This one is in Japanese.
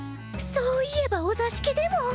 そういえばお座敷でも！